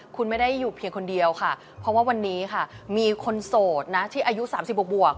คุณไม่ได้อยู่เพียงคนเดียวค่ะเพราะว่าวันนี้ค่ะมีคนโสดนะที่อายุ๓๐บวก